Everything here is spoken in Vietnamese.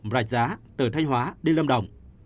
rạch giá từ thanh hóa đi lâm động